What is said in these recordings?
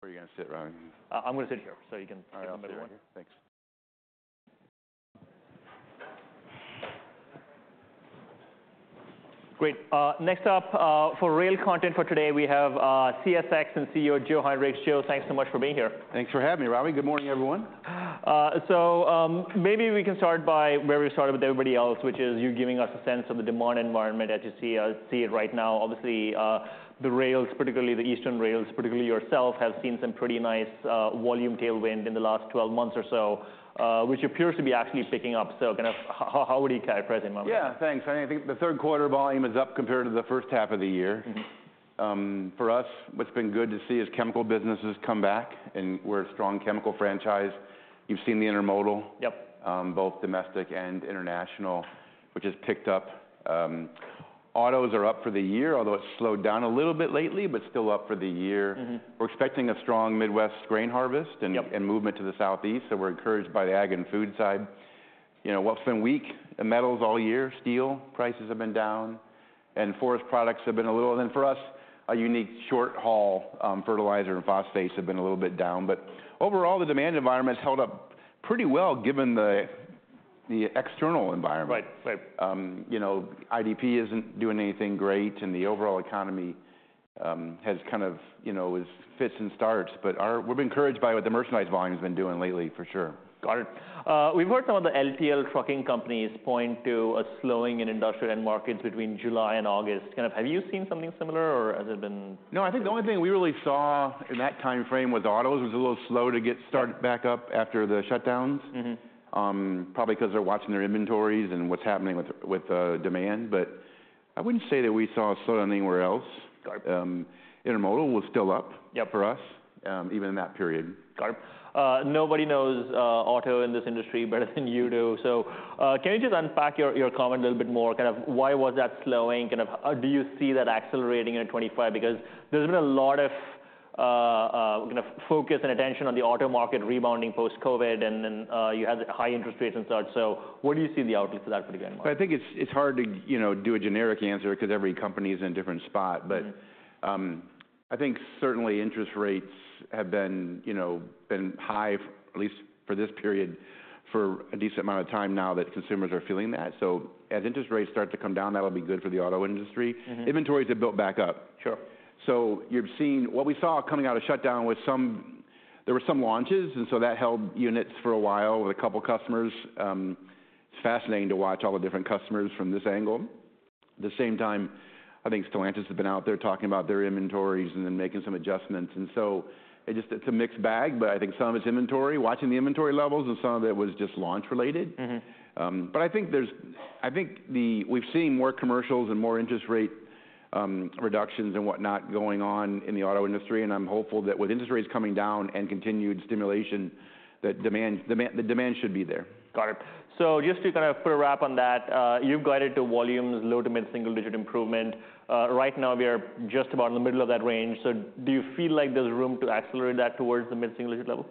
Where are you going to sit, Ravi? I'm going to sit here, so you can- All right, I'll sit here. In the middle here. Thanks. Great. Next up, for rail content for today, we have CSX and CEO Joe Hinrichs. Joe, thanks so much for being here. Thanks for having me, Ravi. Good morning, everyone. So, maybe we can start by where we started with everybody else, which is you giving us a sense of the demand environment as you see, see it right now. Obviously, the rails, particularly the Eastern rails, particularly yourself, have seen some pretty nice, volume tailwind in the last 12 months or so, which appears to be actually picking up. So kind of how, how would you characterize that environment? Yeah, thanks. I think the third quarter volume is up compared to the first half of the year. Mm-hmm. For us, what's been good to see is chemical business has come back, and we're a strong chemical franchise. You've seen the intermodal- Yep.... both domestic and international, which has picked up. Autos are up for the year, although it's slowed down a little bit lately, but still up for the year. Mm-hmm. We're expecting a strong Midwest grain harvest. Yep... and movement to the Southeast, so we're encouraged by the ag and food side. You know, what's been weak, the metals all year, steel prices have been down, and forest products have been a little, and for us, a unique short-haul, fertilizer and phosphates have been a little bit down. But overall, the demand environment's held up pretty well, given the external environment. Right. Right. You know, IDP isn't doing anything great, and the overall economy has kind of, you know, fits and starts. But we've been encouraged by what the merchandise volume has been doing lately, for sure. Got it. We've heard some of the LTL trucking companies point to a slowing in industrial end markets between July and August. Kind of, have you seen something similar, or has it been-? No, I think the only thing we really saw in that timeframe with autos was a little slow to get started back up after the shutdowns. Mm-hmm. Probably 'cause they're watching their inventories and what's happening with demand, but I wouldn't say that we saw a slowdown anywhere else. Got it. Intermodal was still up- Yep.... for us, even in that period. Got it. Nobody knows auto in this industry better than you do, so can you just unpack your comment a little bit more? Kind of, why was that slowing? Kind of, do you see that accelerating in 2025? Because there's been a lot of kind of focus and attention on the auto market rebounding post-COVID, and then you had the high interest rates and such, so what do you see the outlook for that for the next month? I think it's hard to, you know, do a generic answer because every company is in a different spot. Mm-hmm. But I think certainly interest rates have been, you know, high, at lEast for this period, for a decent amount of time now, that consumers are feeling that. So as interest rates start to come down, that'll be good for the auto industry. Mm-hmm. Inventories have built back up. Sure. You've seen what we saw coming out of shutdown. There were some launches, and so that held units for a while with a couple customers. It's fascinating to watch all the different customers from this angle. At the same time, I think Stellantis has been out there talking about their inventories and then making some adjustments. It just, it's a mixed bag, but I think some of it's inventory, watching the inventory levels, and some of it was just launch related. Mm-hmm. But I think we've seen more commercials and more interest rate reductions and whatnot going on in the auto industry, and I'm hopeful that with interest rates coming down and continued stimulation, that demand should be there. Got it. So just to kind of put a wrap on that, you've guided the volumes low to mid-single digit improvement. Right now, we are just about in the middle of that range. So do you feel like there's room to accelerate that towards the mid-single digit level?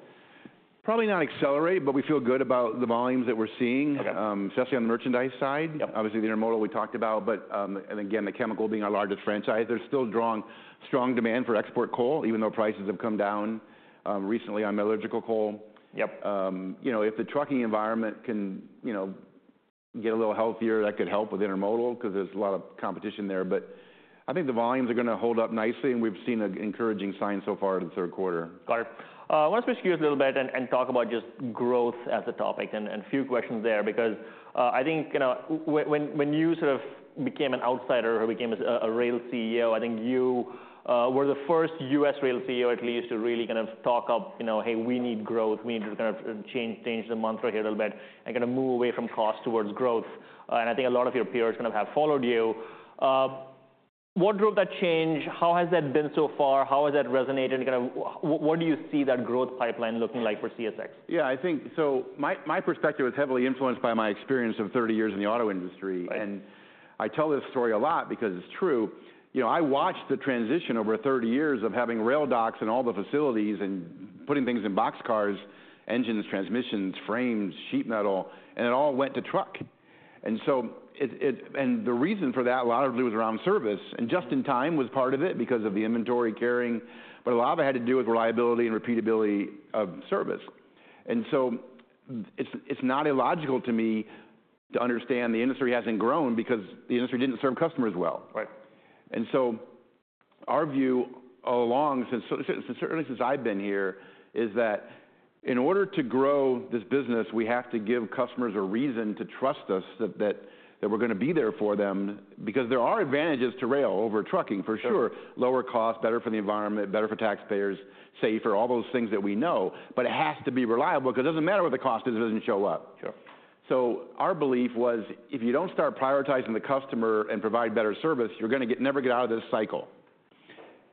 Probably not accelerate, but we feel good about the volumes that we're seeing- Okay... especially on the merchandise side. Yep. Obviously, the intermodal we talked about, but, and again, the chemical being our largest franchise, there's still strong, strong demand for export coal, even though prices have come down recently on metallurgical coal. Yep. You know, if the trucking environment can, you know, get a little healthier, that could help with intermodal because there's a lot of competition there. But I think the volumes are gonna hold up nicely, and we've seen an encouraging sign so far in the third quarter. Got it. I want to switch gears a little bit and talk about just growth as a topic, and a few questions there. Because I think, you know, when you sort of became an outsider or became a rail CEO, I think you were the first U.S. rail CEO at lEast to really kind of talk up, you know, "Hey, we need growth. We need to kind of change the mantra here a little bit and kind of move away from cost towards growth." And I think a lot of your peers kind of have followed you. What drove that change? How has that been so far? How has that resonated? Kind of what do you see that growth pipeline looking like for CSX? Yeah, I think... So my perspective is heavily influenced by my experience of 30 years in the auto industry. Right. And I tell this story a lot because it's true. You know, I watched the transition over thirty years of having rail docks in all the facilities and putting things in boxcars, engines, transmissions, frames, sheet metal, and it all went to truck. And so it and the reason for that largely was around service, and just-in-time was part of it because of the inventory carrying, but a lot of it had to do with reliability and repeatability of service. And so it's not illogical to me to understand the industry hasn't grown because the industry didn't serve customers well. Right. And so our view all along, since, certainly since I've been here, is that in order to grow this business, we have to give customers a reason to trust us, that we're gonna be there for them. Because there are advantages to rail over trucking, for sure: lower cost, better for the environment, better for taxpayers, safer, all those things that we know. But it has to be reliable, because it doesn't matter what the cost is, if it doesn't show up. Sure. So our belief was, if you don't start prioritizing the customer and provide better service, you're gonna get, never get out of this cycle.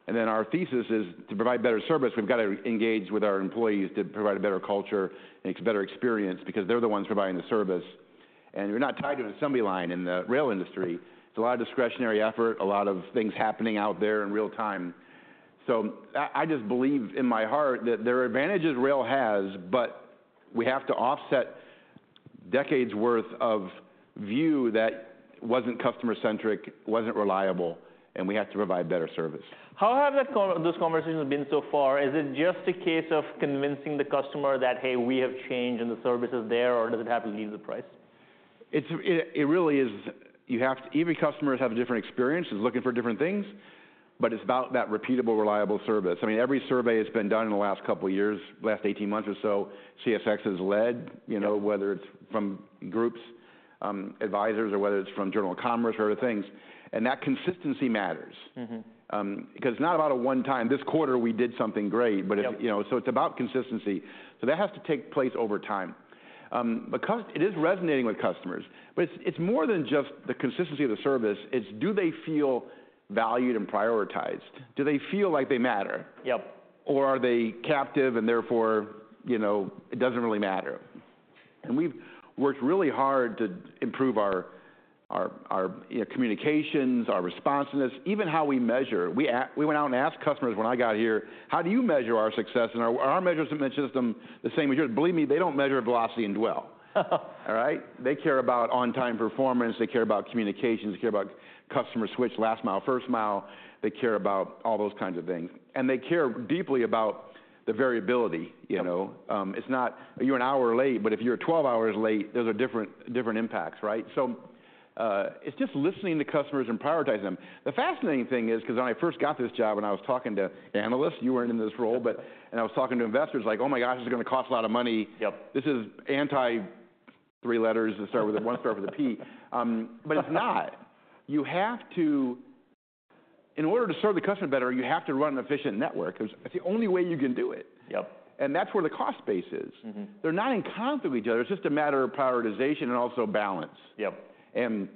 And then, our thesis is, to provide better service, we've got to engage with our employees to provide a better culture and a better experience because they're the ones providing the service. And you're not tied to an assembly line in the rail industry. It's a lot of discretionary effort, a lot of things happening out there in real time. So I, I just believe in my heart that there are advantages rail has, but we have to offset, decades worth of view that wasn't customer-centric, wasn't reliable, and we had to provide better service. How have those conversations been so far? Is it just a case of convincing the customer that, hey, we have changed and the service is there, or does it have to do with the price? It's really... You have to. Every customer is having a different experience and is looking for different things, but it's about that repeatable, reliable service. I mean, every survey that's been done in the last couple of years, last 18 months or so, CSX has led, you know. Yep... whether it's from groups, advisors, or whether it's from Journal of Commerce or other things, and that consistency matters. Mm-hmm. Because it's not about a one-time, this quarter we did something great- Yep... but it, you know, so it's about consistency. So that has to take place over time. Because it is resonating with customers, but it's, it's more than just the consistency of the service, it's do they feel valued and prioritized? Do they feel like they matter? Yep. Or are they captive, and therefore, you know, it doesn't really matter? And we've worked really hard to improve our communications, our responsiveness, even how we measure. We went out and asked customers when I got here, "How do you measure our success?" And our measurement system, the same as yours, believe me, they don't measure velocity and dwell. All right? They care about on-time performance, they care about communications, they care about customer switch, last mile, first mile, they care about all those kinds of things. And they care deeply about the variability, you know? Yep. It's not, you're an hour late, but if you're 12 hours late, those are different impacts, right? So it's just listening to customers and prioritizing them. The fascinating thing is, because when I first got this job and I was talking to analysts, you weren't in this role, but and I was talking to investors like, "Oh, my gosh, this is gonna cost a lot of money. Yep. You have to... In order to serve the customer better, you have to run an efficient network. It's, that's the only way you can do it. Yep. That's where the cost base is. Mm-hmm. They're not in conflict with each other, it's just a matter of prioritization and also balance. Yep. And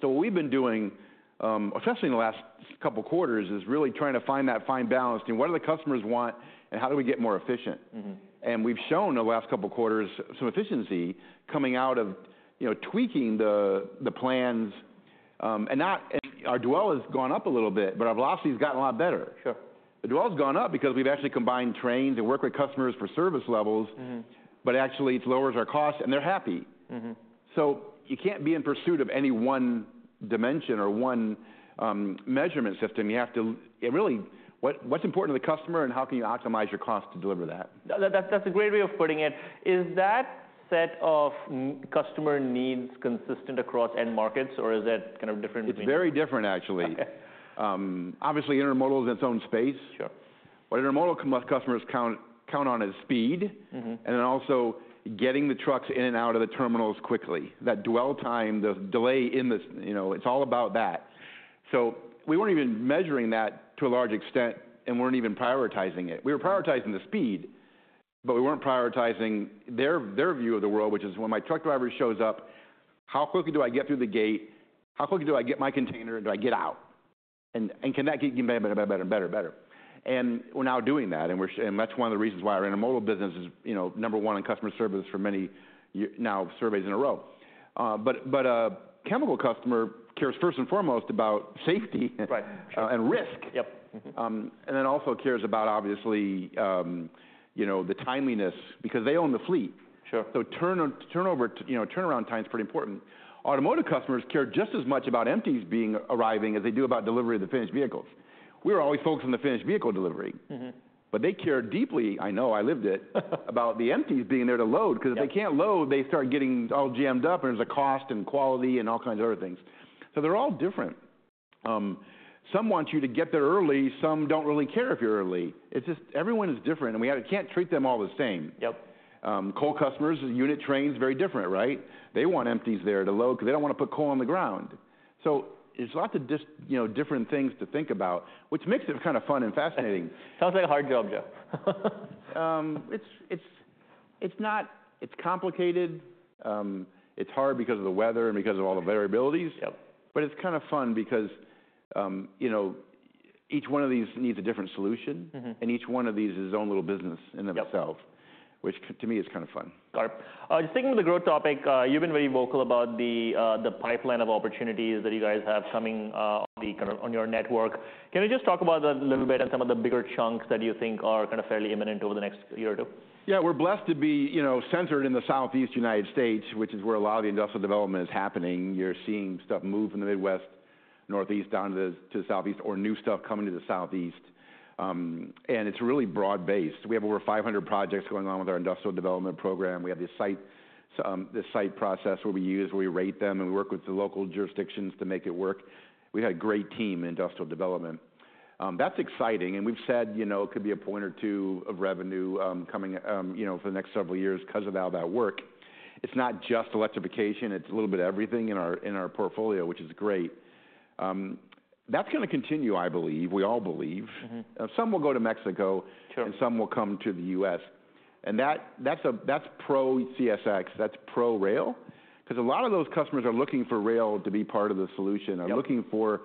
so what we've been doing, especially in the last couple quarters, is really trying to find that fine balance between what do the customers want and how do we get more efficient? Mm-hmm. We've shown the last couple quarters some efficiency coming out of, you know, tweaking the plans. Our dwell has gone up a little bit, but our velocity's gotten a lot better. Sure. The dwell's gone up because we've actually combined trains and worked with customers for service levels. Mm-hmm... but actually it lowers our cost, and they're happy. Mm-hmm. So you can't be in pursuit of any one dimension or one measurement system. You have to. It really, what's important to the customer and how can you optimize your cost to deliver that? That's a great way of putting it. Is that set of customer needs consistent across end markets or is that kind of different between- It's very different, actually. Obviously, intermodal is its own space. Sure. What intermodal customers count on is speed- Mm-hmm... and then also getting the trucks in and out of the terminals quickly. That dwell time, the delay in this, you know, it's all about that. So we weren't even measuring that to a large extent and weren't even prioritizing it. We were prioritizing the speed, but we weren't prioritizing their view of the world, which is when my truck driver shows up, how quickly do I get through the gate? How quickly do I get my container, and do I get out? And can that get better, better, better, better, better? And we're now doing that, and that's one of the reasons why our intermodal business is, you know, number one in customer service for many years now in surveys in a row. But a chemical customer cares first and foremost about safety - Right... and risk. Yep. Mm-hmm. And then also cares about, obviously, you know, the timeliness, because they own the fleet. Sure. Turnover, you know, turnaround time is pretty important. Automotive customers care just as much about empties being arriving as they do about delivery of the finished vehicles. We were always focused on the finished vehicle delivery. Mm-hmm. But they care deeply, I know, I lived it about the empties being there to load. Yep... because if they can't load, they start getting all jammed up, and there's a cost and quality and all kinds of other things. So they're all different. Some want you to get there early, some don't really care if you're early. It's just everyone is different, and we can't treat them all the same. Yep. Coal customers, unit trains, very different, right? They want empties there to load because they don't want to put coal on the ground. So there's lots of, you know, different things to think about, which makes it kind of fun and fascinating. Sounds like a hard job, Joe. It's not. It's complicated. It's hard because of the weather and because of all the variabilities. Yep. But it's kind of fun because, you know, each one of these needs a different solution. Mm-hmm. And each one of these is its own little business in and of itself- Yep... which to me is kind of fun. All right. Just thinking of the growth topic, you've been very vocal about the pipeline of opportunities that you guys have coming, kind of, on your network. Can you just talk about that a little bit and some of the bigger chunks that you think are kind of fairly imminent over the next year or two? Yeah, we're blessed to be, you know, centered in the Southeast United States, which is where a lot of the industrial development is happening. You're seeing stuff move from the Midwest, Northeast down to the, to the Southeast or new stuff coming to the Southeast. And it's really broad-based. We have over 500 projects going on with our industrial development program. We have this site process where we use, where we rate them, and we work with the local jurisdictions to make it work. We had a great team in industrial development. That's exciting, and we've said, you know, it could be a point or two of revenue coming, you know, for the next several years because of all that work. It's not just electrification, it's a little bit of everything in our portfolio, which is great. That's gonna continue, I believe, we all believe. Mm-hmm. Some will go to Mexico- Sure... and some will come to the U.S., and that, that's, that's pro-CSX, that's pro-rail, because a lot of those customers are looking for rail to be part of the solution- Yep... are looking for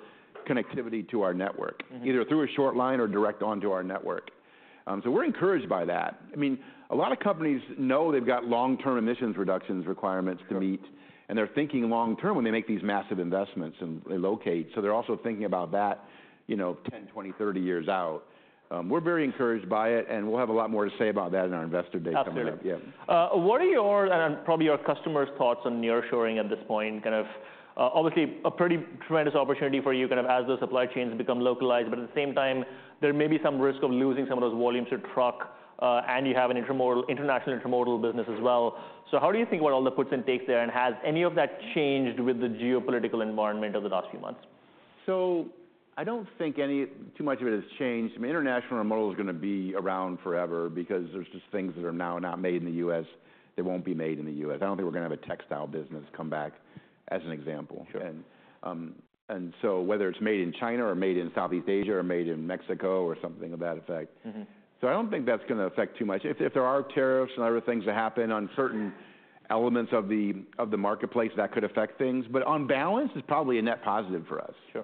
connectivity to our network- Mm-hmm... either through a short line or direct onto our network. So we're encouraged by that. I mean, a lot of companies know they've got long-term emissions reductions requirements to meet... and they're thinking long term when they make these massive investments, and they locate. So they're also thinking about that, you know, 10, 20, 30 years out. We're very encouraged by it, and we'll have a lot more to say about that in our investor day coming up. Absolutely. Yeah. What are your and probably your customers' thoughts on nearshoring at this point? Kind of, obviously, a pretty tremendous opportunity for you, kind of as the supply chains become localized, but at the same time, there may be some risk of losing some of those volumes to truck, and you have an intermodal, international intermodal business as well. So how do you think about all the puts and takes there, and has any of that changed with the geopolitical environment over the last few months? I don't think any too much of it has changed. I mean, international intermodal is gonna be around forever because there's just things that are now not made in the U.S., they won't be made in the U.S. I don't think we're gonna have a textile business come back, as an example. Sure. And so whether it's made in China or made in Southeast Asia or made in Mexico or something to that effect- Mm-hmm. So I don't think that's gonna affect too much. If there are tariffs and other things that happen on certain elements of the marketplace, that could affect things, but on balance, it's probably a net positive for us. Sure.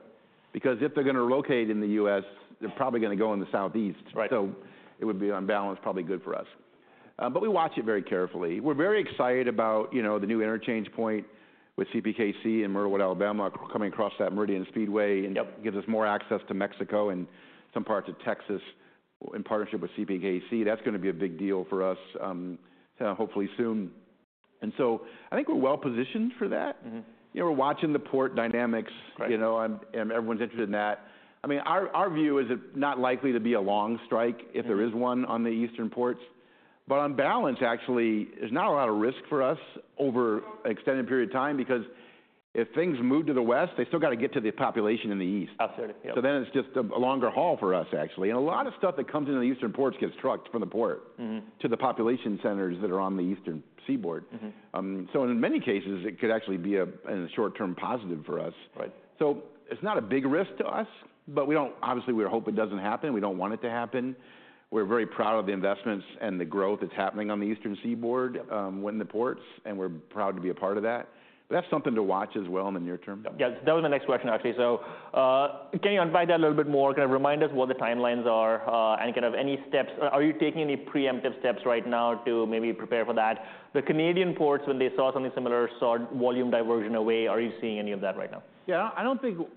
Because if they're gonna locate in the U.S., they're probably gonna go in the Southeast. Right. It would be, on balance, probably good for us, but we watch it very carefully. We're very excited about, you know, the new interchange point with CPKC in Myrtlewood, Alabama, coming across that Meridian Speedway- Yep... it gives us more access to Mexico and some parts of Texas in partnership with CPKC. That's gonna be a big deal for us, hopefully soon. And so I think we're well positioned for that. Mm-hmm. You know, we're watching the port dynamics- Right... you know, and everyone's interested in that. I mean, our view is it's not likely to be a long strike- Mm... if there is one on the Eastern ports. But on balance, actually, there's not a lot of risk for us over an extended period of time because if things move to the West, they still got to get to the population in the East. Absolutely, yeah. So then it's just a longer haul for us, actually. And a lot of stuff that comes into the Eastern ports gets trucked from the port- Mm... to the population centers that are on the Eastern Seaboard. Mm-hmm. So in many cases, it could actually be a short-term positive for us. Right. So it's not a big risk to us, but we don't... Obviously, we hope it doesn't happen. We don't want it to happen. We're very proud of the investments and the growth that's happening on the Eastern Seaboard- Yep... within the ports, and we're proud to be a part of that. But that's something to watch as well in the near term. Yes, that was the next question, actually. So, can you elaborate that a little bit more? Kind of remind us what the timelines are, and kind of any steps. Are you taking any preemptive steps right now to maybe prepare for that? The Canadian ports, when they saw something similar, saw volume diversion away. Are you seeing any of that right now?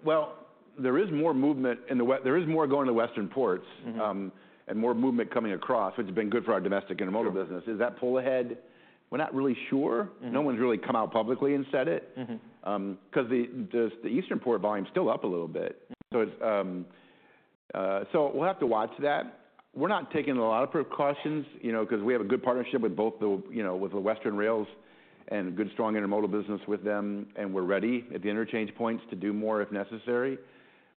Well, there is more movement in the West. There is more going to Western ports. Mm-hmm... and more movement coming across, which has been good for our domestic intermodal business. Sure. Is that pull ahead? We're not really sure. Mm-hmm. No one's really come out publicly and said it. Mm-hmm. 'Cause the Eastern port volume is still up a little bit. Mm-hmm. So we'll have to watch that. We're not taking a lot of precautions, you know, 'cause we have a good partnership with both the, you know, with the Western rails and a good, strong intermodal business with them, and we're ready at the interchange points to do more if necessary.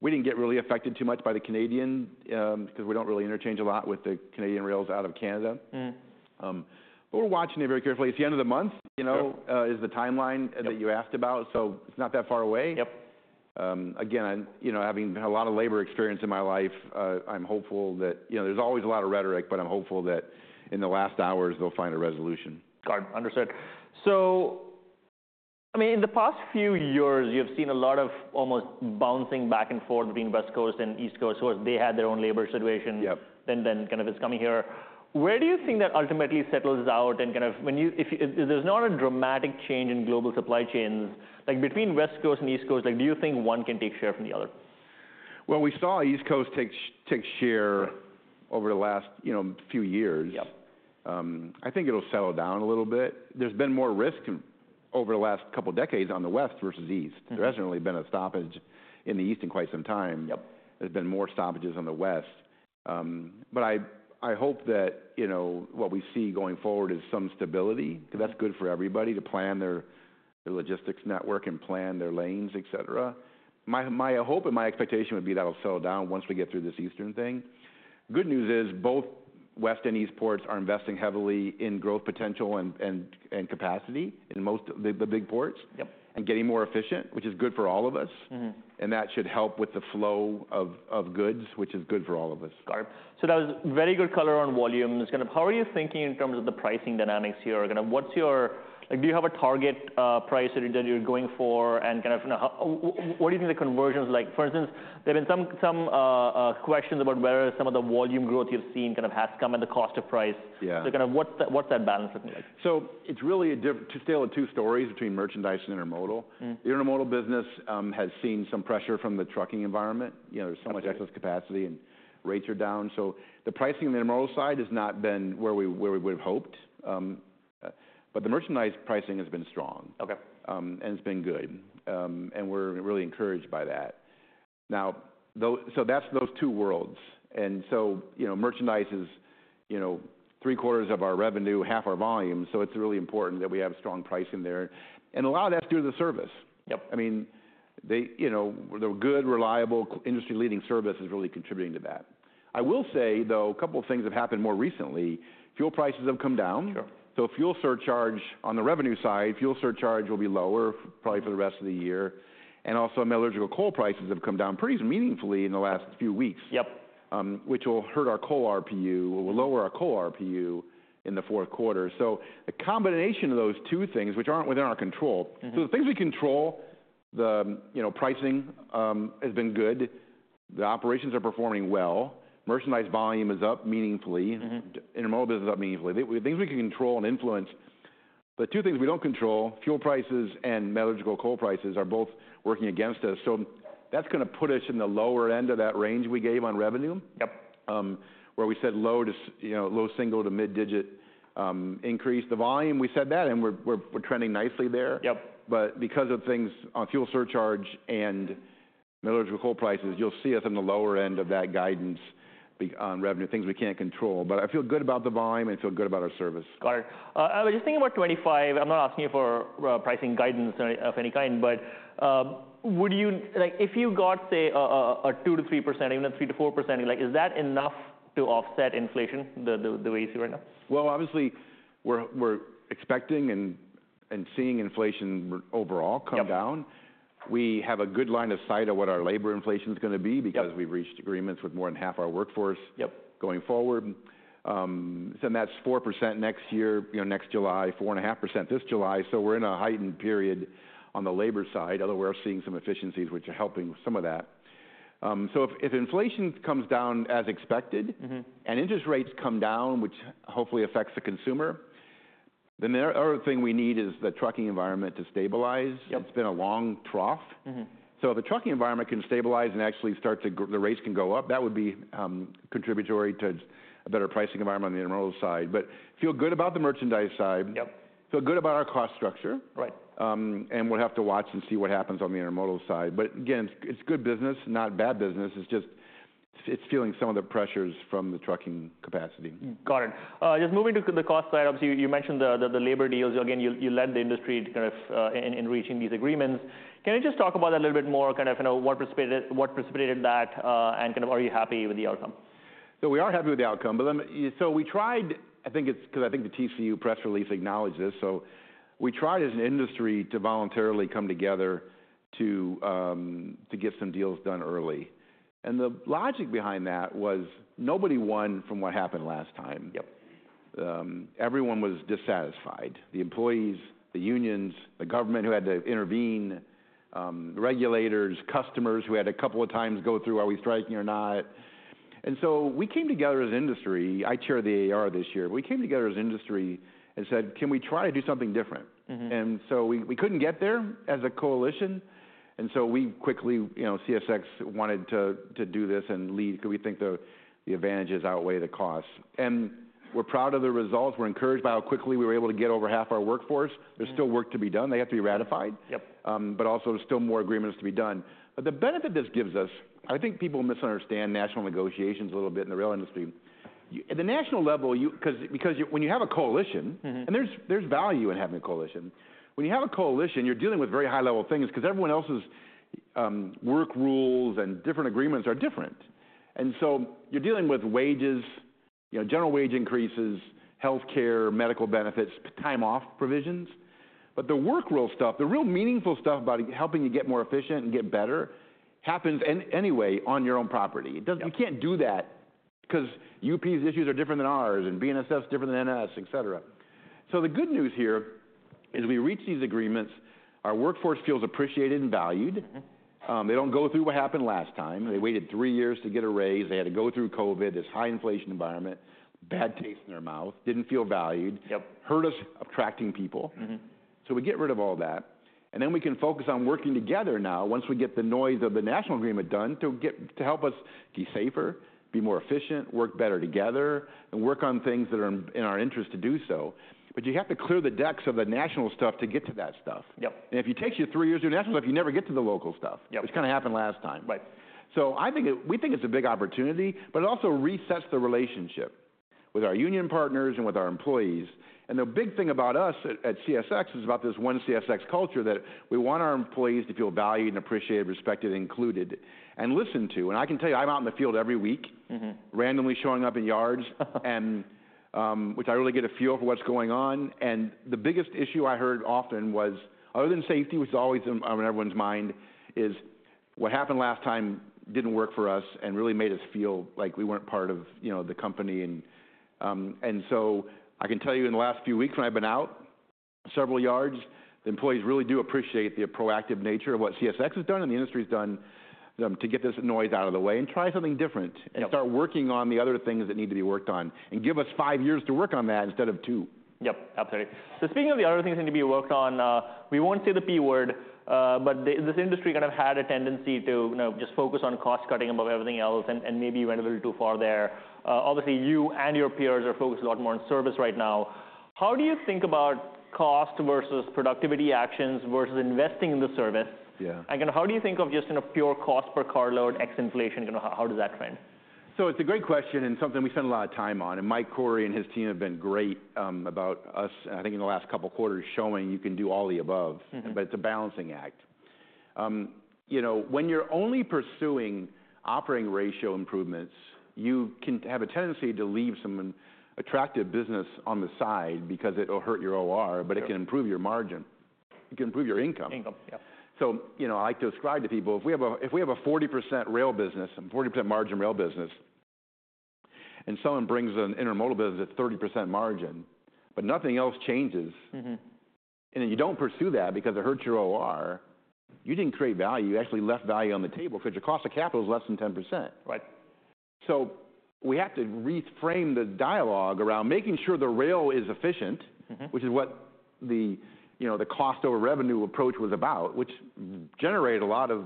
We didn't get really affected too much by the Canadian because we don't really interchange a lot with the Canadian rails out of Canada. Mm. But we're watching it very carefully. It's the end of the month, you know? Sure. Is the timeline- Yep... that you asked about, so it's not that far away. Yep. Again, and you know, having a lot of labor experience in my life, I'm hopeful that... You know, there's always a lot of rhetoric, but I'm hopeful that in the last hours, they'll find a resolution. Got it. Understood. So, I mean, in the past few years, you've seen a lot of almost bouncing back and forth between West Coast and East Coast. So they had their own labor situation. Yep... and then kind of it's coming here. Where do you think that ultimately settles out and kind of, when you, if there's not a dramatic change in global supply chains, like between West Coast and East Coast, like, do you think one can take share from the other? We saw East Coast take share over the last, you know, few years. Yep. I think it'll settle down a little bit. There's been more risk over the last couple of decades on the West versus East. Mm-hmm. There hasn't really been a stoppage in the East in quite some time. Yep. There's been more stoppages on the West. But I hope that, you know, what we see going forward is some stability, because that's good for everybody to plan their logistics network and plan their lanes, et cetera. My hope and my expectation would be that'll settle down once we get through this Eastern thing. Good news is, both West and East ports are investing heavily in growth potential and capacity in most of the big ports. Yep ... and getting more efficient, which is good for all of us. Mm-hmm. That should help with the flow of goods, which is good for all of us. Got it. So that was very good color on volume. Just kind of how are you thinking in terms of the pricing dynamics here? Kind of what's your... Like, do you have a target, price that you, that you're going for? And kind of, you know, how, what do you think the conversion is like? For instance, there have been some questions about whether some of the volume growth you've seen kind of has come at the cost of price. Yeah. So kind of what's that, what's that balance look like? So it's really still two stories between merchandise and intermodal. Mm. The intermodal business has seen some pressure from the trucking environment. You know- Okay... there's so much excess capacity, and rates are down. So the pricing on the intermodal side has not been where we, where we would've hoped. But the merchandise pricing has been strong. Okay. And it's been good, and we're really encouraged by that. Now, though, so that's those two worlds. And so, you know, merchandise is, you know, three-quarters of our revenue, half our volume, so it's really important that we have strong pricing there. And a lot of that's due to the service. Yep. I mean, they, you know, the good, reliable, industry-leading service is really contributing to that. I will say, though, a couple of things have happened more recently. Fuel prices have come down. Sure. So, fuel surcharge, on the revenue side, fuel surcharge will be lower, probably for the rest of the year. And also, metallurgical coal prices have come down pretty meaningfully in the last few weeks- Yep... which will hurt our coal RPU, or will lower our coal RPU in the fourth quarter. So the combination of those two things, which aren't within our control- Mm-hmm... so the things we control, the, you know, pricing, has been good. The operations are performing well. Merchandise volume is up meaningfully- Mm-hmm. Intermodal business is up meaningfully. The things we can control and influence, but two things we don't control, fuel prices and metallurgical coal prices are both working against us. So that's gonna put us in the lower end of that range we gave on revenue. Yep. Where we said low single- to mid-digit increase the volume, we said that, and we're trending nicely there. Yep. But because of things on fuel surcharge and metallurgical coal prices, you'll see us on the lower end of that guidance on revenue, things we can't control. But I feel good about the volume, and I feel good about our service. Got it. I was just thinking about 2025. I'm not asking you for pricing guidance of any kind, but would you... Like, if you got, say, a 2-3%, even a 3-4%, like, is that enough to offset inflation, the way you see right now? Obviously, we're expecting and seeing inflation overall come down. Yep. We have a good line of sight of what our labor inflation's gonna be. Yep... because we've reached agreements with more than half our workforce- Yep... going forward, so that's 4% next year, you know, next July, 4.5% this July, so we're in a heightened period on the labor side, although we're seeing some efficiencies, which are helping with some of that, so if inflation comes down as expected- Mm-hmm... and interest rates come down, which hopefully affects the consumer, then the other thing we need is the trucking environment to stabilize. Yep. It's been a long trough. Mm-hmm. So if the trucking environment can stabilize and actually the rates can go up, that would be contributory to a better pricing environment on the intermodal side. But feel good about the merchandise side. Yep. Feel good about our cost structure. Right. and we'll have to watch and see what happens on the intermodal side. But again, it's good business, not bad business. It's just feeling some of the pressures from the trucking capacity. Got it. Just moving to the cost side, obviously, you mentioned the labor deals. Again, you led the industry to kind of in reaching these agreements. Can you just talk about that a little bit more, kind of, you know, what precipitated that, and kind of are you happy with the outcome? So we are happy with the outcome, but. So we tried, I think it's because I think the TCU press release acknowledged this, so we tried as an industry to voluntarily come together to get some deals done early. And the logic behind that was nobody won from what happened last time. Yep. Everyone was dissatisfied, the employees, the unions, the government who had to intervene, the regulators, customers who had a couple of times go through, "Are we striking or not?" And so we came together as an industry. I chaired the AAR this year. We came together as an industry and said, "Can we try to do something different? Mm-hmm. We couldn't get there as a coalition, and so we quickly, you know, CSX wanted to do this and lead because we think the advantages outweigh the costs. We're proud of the results. We're encouraged by how quickly we were able to get over half our workforce. Mm. There's still work to be done. They have to be ratified. Yep. But also, there's still more agreements to be done. But the benefit this gives us, I think people misunderstand national negotiations a little bit in the rail industry. At the national level, you, because you, when you have a coalition- Mm-hmm... and there's value in having a coalition. When you have a coalition, you're dealing with very high-level things because everyone else's work rules and different agreements are different. And so you're dealing with wages, you know, general wage increases, healthcare, medical benefits, time off provisions. But the work rule stuff, the real meaningful stuff about helping you get more efficient and get better, happens anyway on your own property. Yep. You can't do that because UP's issues are different than ours, and BNSF's different than NS, et cetera. So the good news here is we reached these agreements. Our workforce feels appreciated and valued. Mm-hmm. They don't go through what happened last time. They waited three years to get a raise. They had to go through COVID, this high inflation environment, bad taste in their mouth. Didn't feel valued. Yep. Hurt us attracting people. Mm-hmm. So we get rid of all that, and then we can focus on working together now, once we get the noise of the national agreement done, to get to help us be safer, be more efficient, work better together, and work on things that are in our interest to do so. But you have to clear the decks of the national stuff to get to that stuff. Yep. And if it takes you three years to do the national stuff, you never get to the local stuff- Yep... which kind of happened last time. Right. We think it's a big opportunity, but it also resets the relationship with our union partners and with our employees. The big thing about us at CSX is about this one CSX culture, that we want our employees to feel valued and appreciated, respected, included, and listened to. I can tell you, I'm out in the field every week. Mm-hmm... randomly showing up in yards and, which I really get a feel for what's going on, and the biggest issue I heard often was, other than safety, which is always on everyone's mind, is what happened last time didn't work for us and really made us feel like we weren't part of, you know, the company. And so I can tell you, in the last few weeks when I've been out, several yards, the employees really do appreciate the proactive nature of what CSX has done and the industry's done, to get this noise out of the way and try something different- Yep... and start working on the other things that need to be worked on, and give us five years to work on that instead of two. Yep, absolutely. So speaking of the other things that need to be worked on, we won't say the P word, but this industry kind of had a tendency to, you know, just focus on cost cutting above everything else and maybe went a little too far there. Obviously, you and your peers are focused a lot more on service right now. How do you think about cost versus productivity actions versus investing in the service? Yeah. You know, how do you think of just in a pure cost per carload ex inflation, you know, how does that trend? It's a great question and something we spend a lot of time on, and Mike Cory and his team have been great about us. I think in the last couple of quarters, showing you can do all the above. Mm-hmm. But it's a balancing act. You know, when you're only pursuing operating ratio improvements, you can have a tendency to leave some attractive business on the side because it'll hurt your OR- Yep... but it can improve your margin. It can improve your income. Income, yep. So, you know, I like to describe to people, if we have a 40% rail business, a 40% margin rail business... and someone brings an intermodal business at 30% margin, but nothing else changes- Mm-hmm. and then you don't pursue that because it hurts your OR. You didn't create value. You actually left value on the table, because your cost of capital is less than 10%. Right. So we have to reframe the dialogue around making sure the rail is efficient... Mm-hmm. -which is what the, you know, the cost over revenue approach was about, which generated a lot of,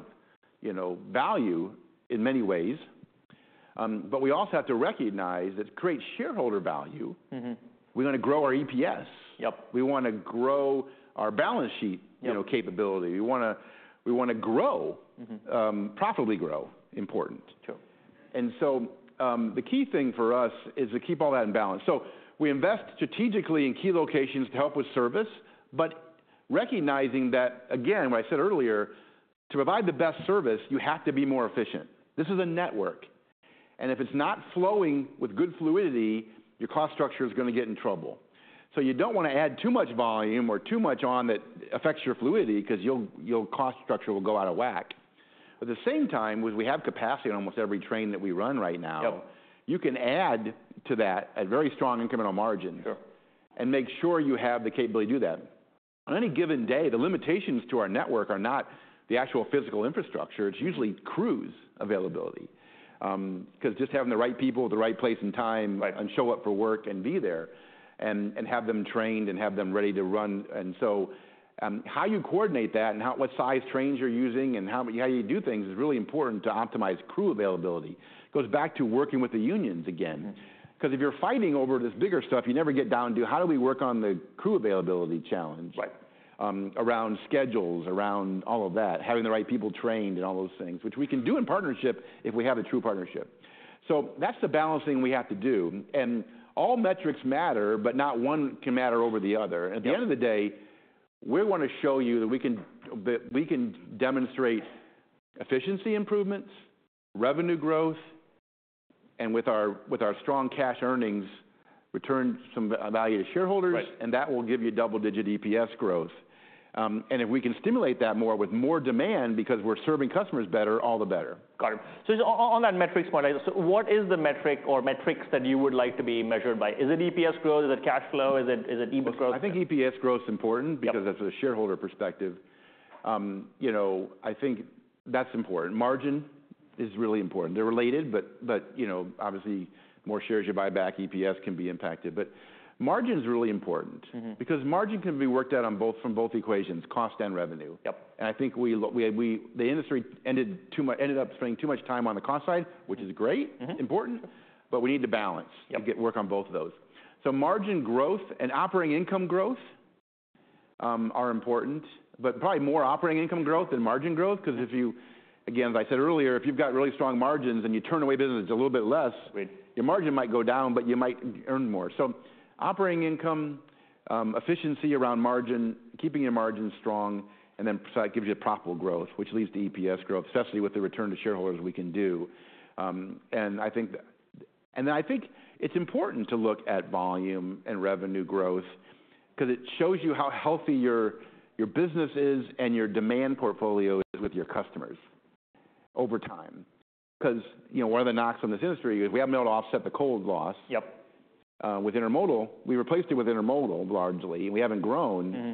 you know, value in many ways, but we also have to recognize that to create shareholder value- Mm-hmm. We're gonna grow our EPS. Yep. We wanna grow our balance sheet. Yep You know, capability. We wanna, we wanna grow- Mm-hmm. Profitably grow, important. Sure. And so, the key thing for us is to keep all that in balance. So we invest strategically in key locations to help with service, but recognizing that, again, what I said earlier, to provide the best service, you have to be more efficient. This is a network, and if it's not flowing with good fluidity, your cost structure is gonna get in trouble. So you don't want to add too much volume or too much on that affects your fluidity, 'cause your cost structure will go out of whack. At the same time, we have capacity on almost every train that we run right now. Yep. You can add to that at very strong incremental margins- Sure... and make sure you have the capability to do that. On any given day, the limitations to our network are not the actual physical infrastructure. Mm-hmm. It's usually crews' availability. 'Cause just having the right people at the right place and time- Right... and show up for work and be there, and have them trained and have them ready to run. And so, how you coordinate that and how what size trains you're using and how you do things is really important to optimize crew availability. It goes back to working with the unions again. Mm-hmm. 'Cause if you're fighting over this bigger stuff, you never get down to, how do we work on the crew availability challenge? Right. Around schedules, around all of that, having the right people trained and all those things, which we can do in partnership if we have a true partnership, so that's the balancing we have to do, and all metrics matter, but not one can matter over the other. Yep. At the end of the day, we want to show you that we can, that we can demonstrate efficiency improvements, revenue growth, and with our, with our strong cash earnings, return some value to shareholders. Right. And that will give you double-digit EPS growth. And if we can stimulate that more with more demand because we're serving customers better, all the better. Got it. So on that metrics point, so what is the metric or metrics that you would like to be measured by? Is it EPS growth? Is it cash flow? Is it EPS growth? I think EPS growth is important. Yep... because that's a shareholder perspective. You know, I think that's important. Margin is really important. They're related, but, but, you know, obviously, more shares you buy back, EPS can be impacted. But margin's really important. Mm-hmm. Because margin can be worked out on both, from both equations, cost and revenue. Yep. I think the industry ended up spending too much time on the cost side, which is great. Mm-hmm... important, but we need to balance- Yep... and get work on both of those. So margin growth and operating income growth are important, but probably more operating income growth than margin growth. Mm-hmm. 'Cause if you - again, as I said earlier, if you've got really strong margins and you turn away business a little bit less- Right... your margin might go down, but you might earn more. So operating income, efficiency around margin, keeping your margins strong, and then that gives you a profitable growth, which leads to EPS growth, especially with the return to shareholders we can do. And I think it's important to look at volume and revenue growth because it shows you how healthy your business is and your demand portfolio is with your customers over time. Because, you know, one of the knocks on this industry is we haven't been able to offset the coal loss. Yep. With intermodal, we replaced it with intermodal, largely, and we haven't grown. Mm-hmm.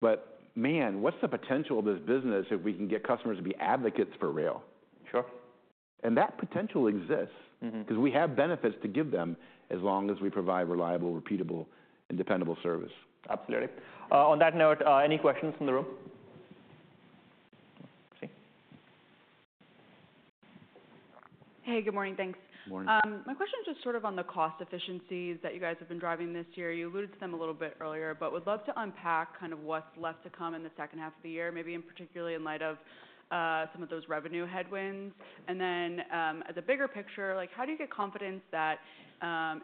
But man, what's the potential of this business if we can get customers to be advocates for rail? Sure. That potential exists- Mm-hmm... because we have benefits to give them, as long as we provide reliable, repeatable, and dependable service. Absolutely. On that note, any questions from the room? Let's see. Hey, good morning, thanks. Good morning. My question is just sort of on the cost efficiencies that you guys have been driving this year. You alluded to them a little bit earlier, but would love to unpack kind of what's left to come in the second half of the year, maybe in particularly in light of some of those revenue headwinds. And then, as a bigger picture, like, how do you get confidence that,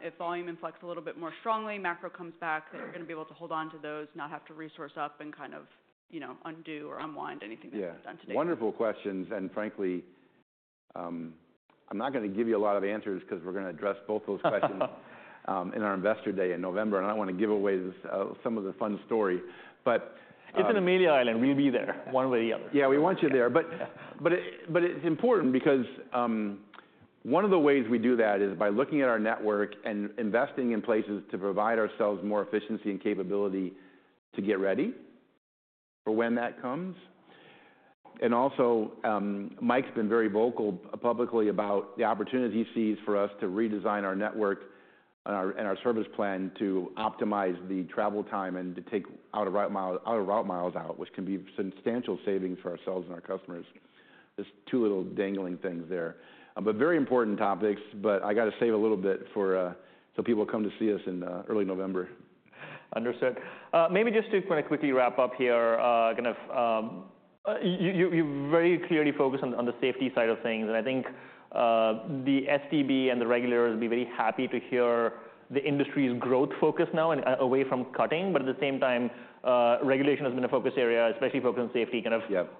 if volume influx a little bit more strongly, macro comes back, that you're gonna be able to hold on to those, not have to resource up and kind of, you know, undo or unwind anything that you've done to date? Yeah. Wonderful questions, and frankly, I'm not gonna give you a lot of answers because we're gonna address both those questions in our Investor Day in November, and I don't want to give away the some of the fun story. But, It's in Amelia Island. We'll be there, one way or the other. Yeah, we want you there. Yeah. But it's important because one of the ways we do that is by looking at our network and investing in places to provide ourselves more efficiency and capability to get ready for when that comes. And also, Mike's been very vocal, publicly, about the opportunity he sees for us to redesign our network and our service plan to optimize the travel time and to take out-of-route miles out, which can be substantial savings for ourselves and our customers. There's two little dangling things there. But very important topics, but I got to save a little bit for so people come to see us in early November. Understood. Maybe just to kind of quickly wrap up here, kind of, you very clearly focus on the, on the safety side of things, and I think, the STB and the regulators will be very happy to hear the industry's growth focus now and away from cutting, but at the same time, regulation has been a focus area, especially focus on safety, kind of. Yep.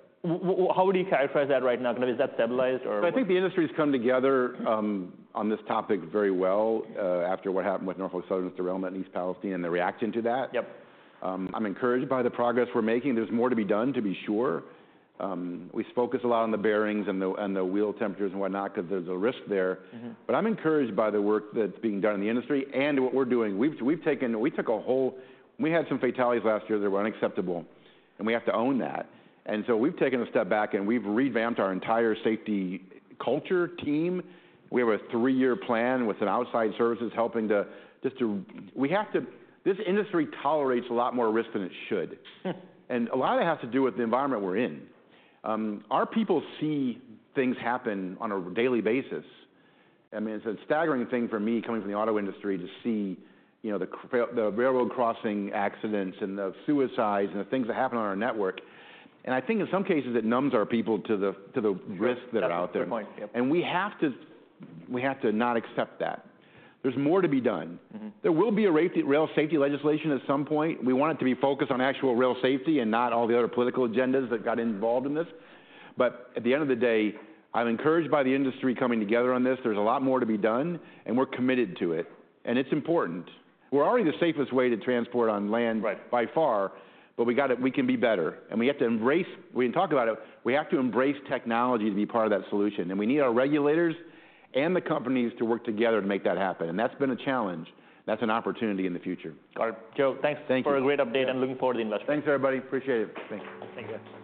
How would you characterize that right now? Kind of, is that stabilized or? I think the industry's come together on this topic very well after what happened with Norfolk Southern's derailment in East Palestine and the reaction to that. Yep. I'm encouraged by the progress we're making. There's more to be done, to be sure. We focus a lot on the bearings and the wheel temperatures and whatnot, because there's a risk there. Mm-hmm. But I'm encouraged by the work that's being done in the industry and what we're doing. We had some fatalities last year that were unacceptable, and we have to own that. And so we've taken a step back, and we've revamped our entire safety culture team. We have a three-year plan with some outside services helping. This industry tolerates a lot more risk than it should. And a lot of it has to do with the environment we're in. Our people see things happen on a daily basis. I mean, it's a staggering thing for me, coming from the auto industry, to see, you know, the railroad crossing accidents, and the suicides, and the things that happen on our network. And I think in some cases, it numbs our people to the risks. Sure... that are out there. Good point. Yep. We have to, we have to not accept that. There's more to be done. Mm-hmm. There will be a rail safety legislation at some point. We want it to be focused on actual rail safety and not all the other political agendas that got involved in this. But at the end of the day, I'm encouraged by the industry coming together on this. There's a lot more to be done, and we're committed to it, and it's important. We're already the safest way to transport on land- Right... by far, but we gotta, we can be better. And we have to embrace... We can talk about it. We have to embrace technology to be part of that solution, and we need our regulators and the companies to work together to make that happen, and that's been a challenge. That's an opportunity in the future. All right. Joe, thanks- Thank you... for a great update, and looking forward to the investment. Thanks, everybody. Appreciate it. Thank you. Thank you.